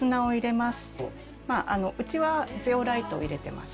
まあうちはゼオライトを入れてます。